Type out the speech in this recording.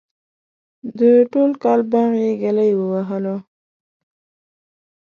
د ټول کال باغ یې گلی ووهلو.